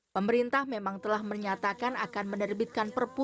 pemerintah memang telah menyatakan akan menerbitkan perpu